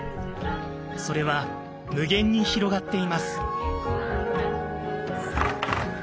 それは無限に広がっています。